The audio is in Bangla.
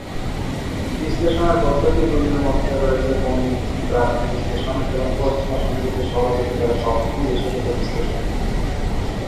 বিশ্লেষণের পদ্ধতিগুলির মধ্যে রয়েছে গণিত, গ্রাফিক বিশ্লেষণ এবং পশ্চিমা সংগীতের স্বরলিপি দ্বারা সক্ষম বিশেষত বিশ্লেষণ।